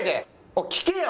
おい聞けよ！